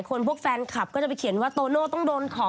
ข้าวต่อไปคนที่ห้าโตโน้ภาคิน